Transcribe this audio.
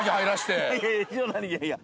いやいや。